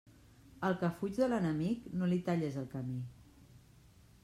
Al que fuig de l'enemic no li talles el camí.